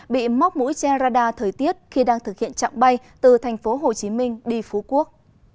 bị móc mũi che radar thời tiết khi đang thực hiện trạng bay từ thành phố hồ chí minh đi phú quốc